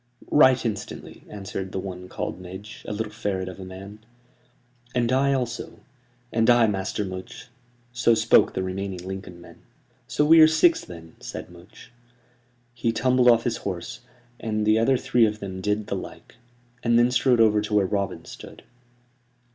"Right instantly," answered the one called Midge, a little ferret of a man. "And I also." "And I, Master Much" so spoke the remaining Lincoln men. "So are we six, then," said Much. He tumbled off his horse, and the other three of them did the like; and then strode over to where Robin stood.